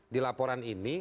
di laporan ini